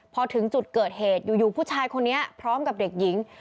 พอถึงจุดเกิดเหตุอยู่ผู้ชายคนนี้พร้อมกับเด็กหญิง